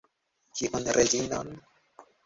Kiun rezinon?